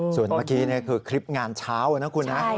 ส่วนเมื่อกี้คือคลิปงานเช้านะคุณนะ